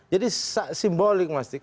jadi simbolik pasti